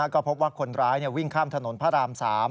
ก็พบว่าคนร้ายวิ่งข้ามถนนพระราม๓